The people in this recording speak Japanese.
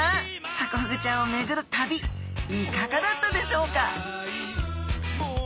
ハコフグちゃんをめぐる旅いかがだったでしょうか？